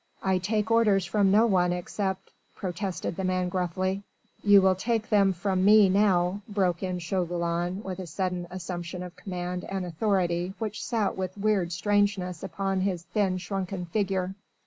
"I take orders from no one except ..." protested the man gruffly. "You will take them from me now," broke in Chauvelin with a sudden assumption of command and authority which sat with weird strangeness upon his thin shrunken figure.